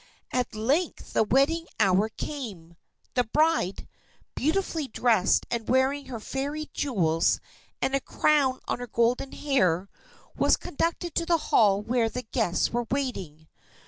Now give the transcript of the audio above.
At length the wedding hour came. The bride, beautifully dressed and wearing her Fairy jewels and a crown on her golden hair, was conducted to the hall where the guests were waiting.